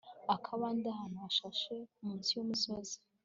akabande ahantu hashashe munsi y umusozi